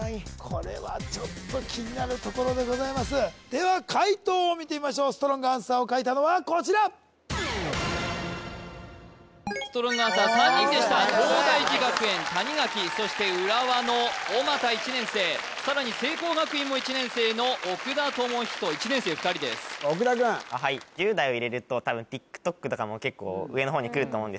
これはちょっと気になるところでございますでは解答を見てみましょうストロングアンサーを書いたのはこちらストロングアンサー３人でした東大寺学園谷垣そして浦和の尾又１年生さらに聖光学院も１年生の奥田智仁１年生２人です奥田くんはいよかったです